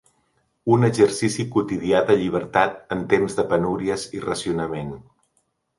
Un exercici quotidià de llibertat en temps de penúries i racionament.